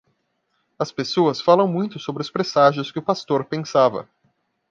As pessoas falam muito sobre os presságios que o pastor pensava.